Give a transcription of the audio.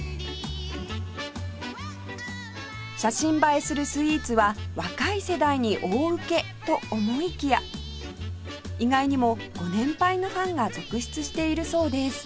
写真映えするスイーツは若い世代に大ウケと思いきや意外にもご年配のファンが続出しているそうです